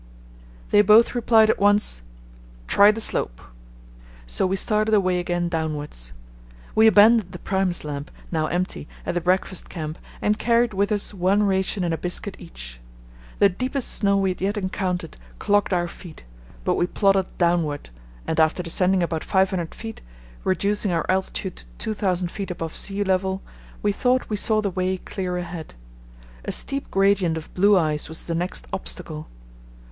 They both replied at once, "Try the slope." So we started away again downwards. We abandoned the Primus lamp, now empty, at the breakfast camp and carried with us one ration and a biscuit each. The deepest snow we had yet encountered clogged our feet, but we plodded downward, and after descending about 500 ft., reducing our altitude to 2000 ft. above sea level, we thought we saw the way clear ahead. A steep gradient of blue ice was the next obstacle.